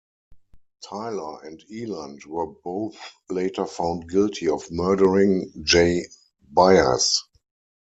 Tyler and Eiland were both later found guilty of murdering Jay Bias.